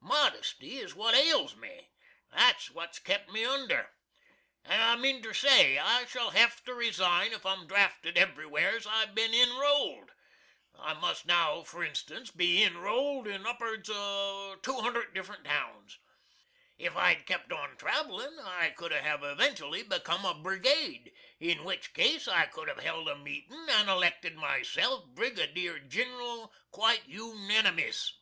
Modesty is what ails me. That's what's kept me under. I meanter say, I shall hav to resign if I'm drafted everywheres I've bin inrold. I must now, furrinstuns, be inrold in upards of 200 different towns. If I'd kept on travelin' I should hav eventooaly becum a Brigade, in which case I could have held a meetin' and elected myself Brigadeer ginral quite unanimiss.